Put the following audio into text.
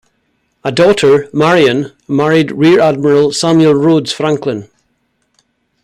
A daughter, Marion, married Rear Admiral Samuel Rhoads Franklin.